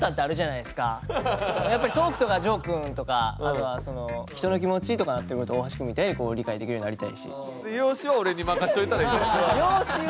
やっぱりトークとかジョークとかあとはその人の気持ちとかになってくると大橋くんみたいに理解できるようになりたいし。